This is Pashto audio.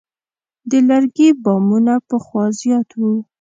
د لرګي بامونه پخوا زیات وو.